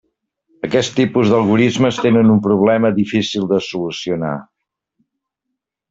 Aquest tipus d'algorismes tenen un problema difícil de solucionar.